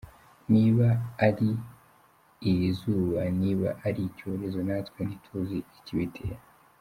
Niba ari iri zuba, niba ari icyorezo, natwe ntituzi ikibitera.